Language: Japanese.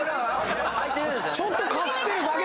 ちょっとかすってるだけ。